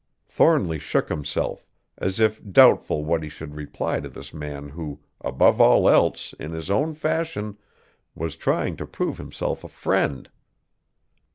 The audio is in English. Thornly shook himself, as if doubtful what he should reply to this man who, above all else, in his own fashion, was trying to prove himself a friend.